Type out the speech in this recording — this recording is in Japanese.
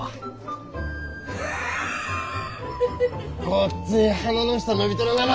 ごっつい鼻の下伸びとるがな。